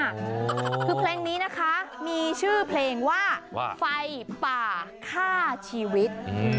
คือเพลงนี้นะคะมีชื่อเพลงว่าไฟป่าฆ่าชีวิต